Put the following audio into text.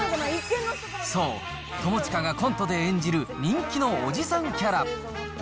そう、友近がコントで演じる人気のおじさんキャラ。